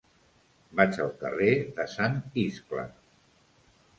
Vaig al carrer de Sant Iscle.